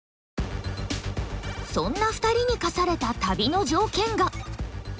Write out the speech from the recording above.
そんな２人に課された旅の条件が。